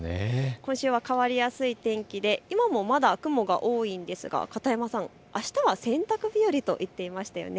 今週は変わりやすい天気で今もまだ雲が多いんですが片山さん、あしたは洗濯日和と言ってましたよね。